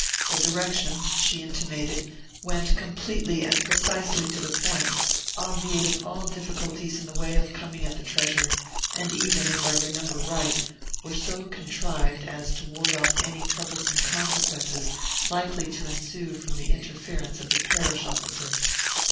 The directions, she intimated, went completely and precisely to the point, obviating all difficulties in the way of coming at the treasure, and even, if I remember right, were so contrived as to ward off any troublesome consequences likely to ensue from the interference of the parish officers.